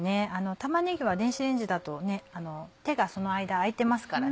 玉ねぎは電子レンジだと手がその間空いてますからね。